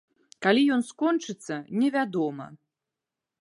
Калі ён скончыцца, невядома.